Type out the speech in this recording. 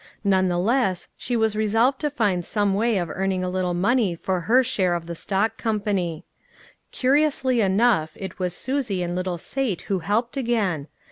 None the less was she i esolved to find some way of earning a little money for her share of the stock company. Curiously enough it was Susie and little Sate who helped again.